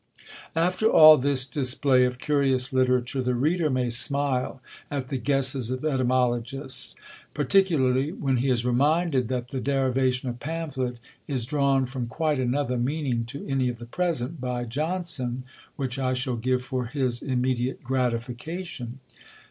After all this display of curious literature, the reader may smile at the guesses of Etymologists; particularly when he is reminded that the derivation of Pamphlet is drawn from quite another meaning to any of the present, by Johnson, which I shall give for his immediate gratification.